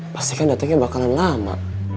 pasti kan datangnya bakalan lama